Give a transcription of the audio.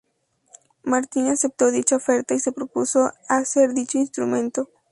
Martin aceptó dicha oferta y se propuso a hacer dicho instrumento.